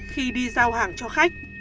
khi đi giao hàng cho khách